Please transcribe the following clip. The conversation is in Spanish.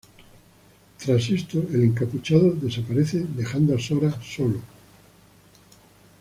Tras esto, el encapuchado desaparece dejando a Sora solo.